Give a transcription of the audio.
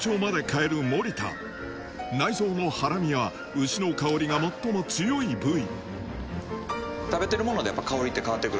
内臓のハラミは牛の香りが最も強い部位